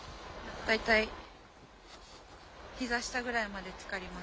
大体ひざ下ぐらいまでつかります。